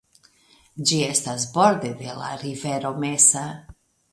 Ĝi estas borde de la rivero Mesa.